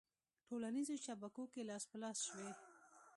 ه ټولنیزو شبکو کې لاس په لاس شوې